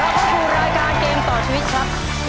แล้วก็คุณรายการเกมต่อชีวิตครับ